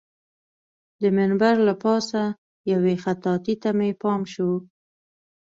د منبر له پاسه یوې خطاطۍ ته مې پام شو.